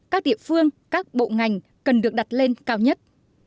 các địa phương các bộ ngành cần được đặt lên cao nhất